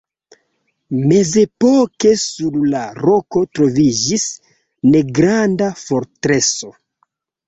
Mezepoke sur la roko troviĝis negranda fortreso.